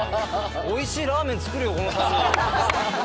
おいしいラーメン作るよこの３人。